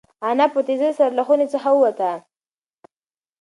انا په تېزۍ سره له خونې څخه ووته.